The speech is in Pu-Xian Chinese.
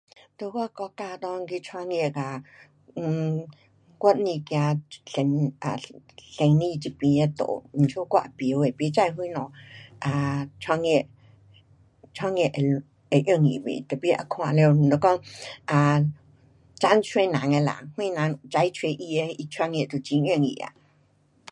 在我国家内去创业哒，um 我不走生意，生 um 生意这边的路，因此我也不会，不知什么 um 创业，创业会，会容易吗？tapi 也看了如果 um 财找人的啦，谁人财找他的他创业就很容易啊。